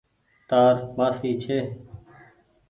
تآر مآسي ڇي۔